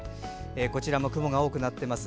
こちらも雲が多くなっています。